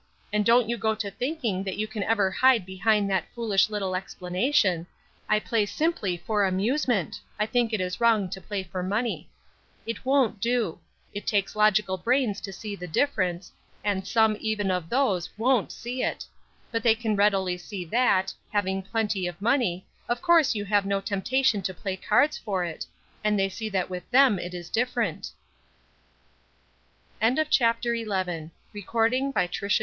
"And don't you go to thinking that you can ever hide behind that foolish little explanation, 'I play simply for amusement; I think it is wrong to play for money.' It won't do: it takes logical brains to see the difference, and some even of those won't see it; but they can readily see that, having plenty of money, of course you have no temptation to play cards for it, and they see that with them it is different." CHAPTER XII.